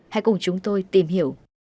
hãy cùng chúng tôi tìm hiểu